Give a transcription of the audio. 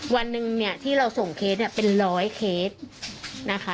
วันหนึ่งที่เราส่งเคสเป็น๑๐๐เคสนะคะ